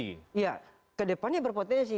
iya kedepannya berpotensi